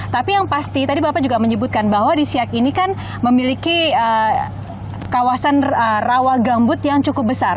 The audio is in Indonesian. tapi yang pasti tadi bapak juga menyebutkan bahwa di siak ini kan memiliki kawasan rawa gambut yang cukup besar